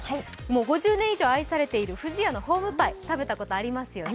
５０年以上愛されている不二家のホームパイ食べたことありますよね。